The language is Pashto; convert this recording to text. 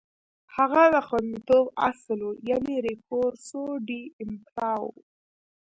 هغه د خوندیتوب اصل و، یعنې ریکورسو ډی امپارو و.